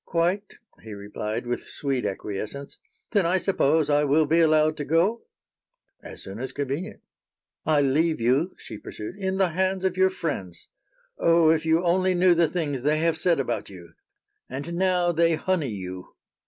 "Quite," he replied, with sweet acquiescence. "Then I suppose I will be allowed to go?" "As soon as convenient." "I leave you," she pursued, "in the hands of your friends. Oh! if you only knew the things they have said about you! And now they honey you!"